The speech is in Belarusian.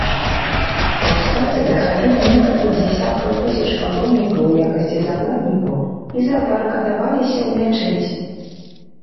Паўстанцы захапілі некалькі дзесяткаў тысяч паломнікаў у якасці закладнікаў і забарыкадаваліся ў мячэці.